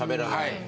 はい。